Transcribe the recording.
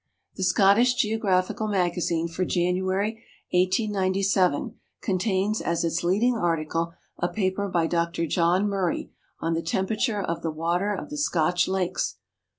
The Scottish Geographical Magazine for January, 1897, contains as its leading article a paper by Dr John Murray on the " Temperature of the Water of the Scotch Lakes."